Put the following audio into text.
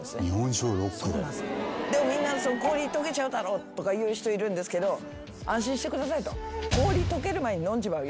でもみんな。とか言う人いるんですけど安心してくださいと。